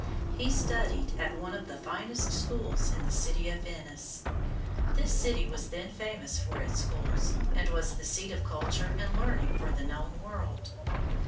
He studied at one of the finest schools in the city of Venice. This city was then famous for its schools, and was the seat of culture and learning for the known world.